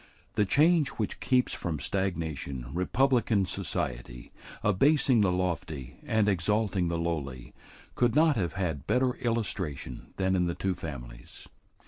The change which keeps from stagnation republican society, abasing the lofty and exalting the lowly, could not have had better illustration than in the two families.